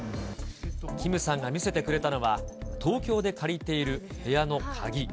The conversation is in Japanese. キムさんが見せてくれたのは、東京で借りている部屋の鍵。